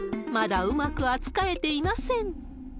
まだうまく扱えていません。